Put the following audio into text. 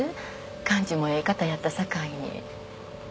感じもええ方やったさかいに。